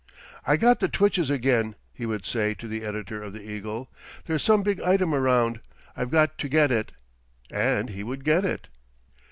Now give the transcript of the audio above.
"I got the twitches again," he would say to the editor of the "Eagle." "There's some big item around. I've got to get it." And he would get it.